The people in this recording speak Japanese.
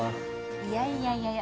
いやいやいやいや